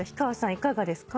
いかがですか？